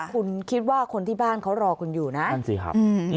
คุณคิดว่าคนที่บ้านเขารอคุณอยู่นะ